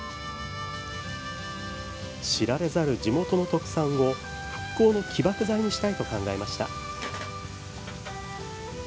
知られざる地元の特産を復興の起爆剤にしたいと考えました。